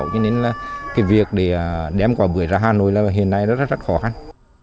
cho nên việc để đem quả bưởi ra hà nội hiện nay rất khó khăn